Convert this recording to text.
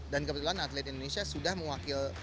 dan kebetulan atlet indonesia sudah mewakil